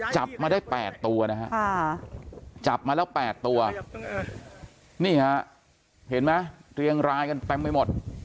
จับมาได้๘ตัวนะฮะจับมาแล้ว๘ตัวนี่ฮะเห็นไหมเรียงรายกันเต็มไปหมด